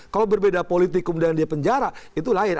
kalau berbeda politikum dan dia penjara itu lain